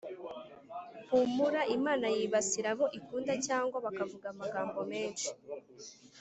humura imana yibasira abo ikunda cg bakavuga amagambo menshi